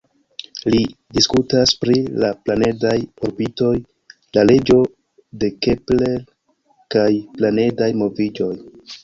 Li diskutas pri la planedaj orbitoj, la leĝo de Kepler kaj planedaj moviĝoj.